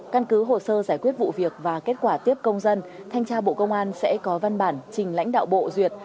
căn cứ hồ sơ giải quyết vụ việc và kết quả tiếp công dân thanh tra bộ công an sẽ có văn bản trình lãnh đạo bộ duyệt